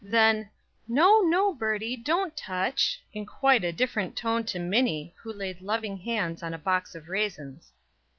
Then: "No, no, Birdie, don't touch!" in quite a different tone to Minnie, who laid loving hands on a box of raisins.